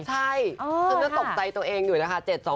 ใช่ซึ่งต้องตกใจตัวเองอยู่นะคะ